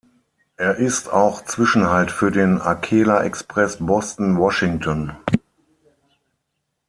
Er ist auch Zwischenhalt für den Acela Express Boston–Washington.